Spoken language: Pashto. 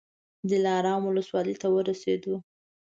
د دلارام ولسوالۍ ته ورسېدو.